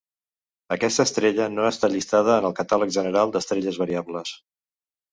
Aquesta estrella no està llistada en el Catàleg General d'Estrelles Variables.